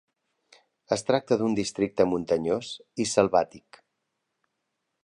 Es tracta d'un districte muntanyós i selvàtic.